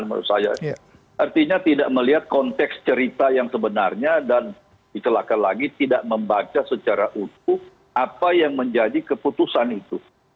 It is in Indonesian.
dan menurut saya artinya tidak melihat konteks cerita yang sebenarnya dan dikelakkan lagi tidak membaca secara utuh apa yang menjadi keputusan itu